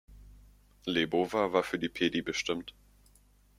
Lebowa war für die Pedi bestimmt.